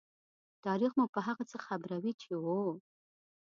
تاریخ مو په هغه څه خبروي چې وو.